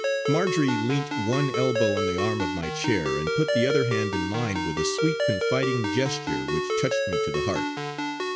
Marjory leant one elbow on the arm of my chair, and put the other hand in mine with a sweet confiding gesture which touched me to the heart.